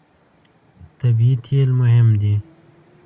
طبیعي تېل مهم دي.